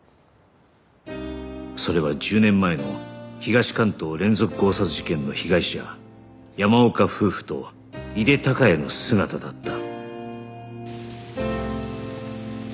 それは１０年前の東関東連続強殺事件の被害者山岡夫婦と井手孝也の姿だった